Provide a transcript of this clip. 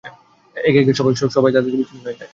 একে একে সবাই তার থেকে বিচ্ছিন্ন হয়ে যায়।